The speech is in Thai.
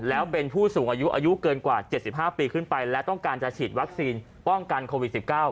แล้วเป็นผู้สูงอายุอายุเกินกว่า๗๕ปีขึ้นไปและต้องการจะฉีดวัคซีนป้องกันโควิด๑๙